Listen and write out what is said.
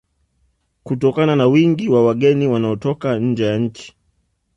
Kutokana na wingi wa wageni wanaotoka nje ya nchi